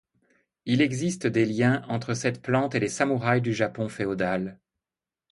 Il existe des liens entre cette plante et les samouraïs du Japon féodal.